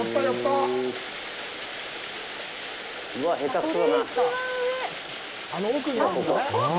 うわ、下手くそだなぁ。